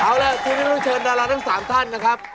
เอาล่ะทีนี้ต้องเชิญดาราทั้ง๓ท่านนะครับ